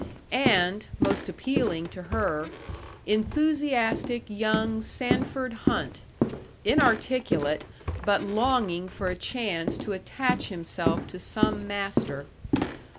And, most appealing to her, enthusiastic young Sanford Hunt, inarticulate, but longing for a chance to attach himself to some master.